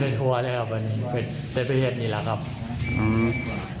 ฤย์ยาวคือพากับมัน